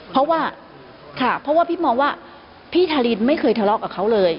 เพราะว่าค่ะเพราะว่าพี่มองว่าพี่ทารินไม่เคยทะเลาะกับเขาเลย